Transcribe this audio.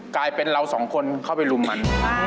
กลายเป็นเราสองคนเข้าไปรุมมัน